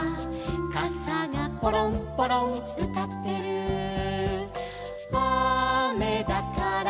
「かさがポロンポロンうたってる」「あめだから」